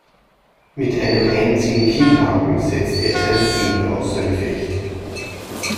Mit einem einzigen Kinnhaken setzte er seinen Gegner außer Gefecht.